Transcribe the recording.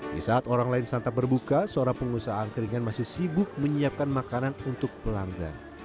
di saat orang lain santap berbuka seorang pengusaha angkringan masih sibuk menyiapkan makanan untuk pelanggan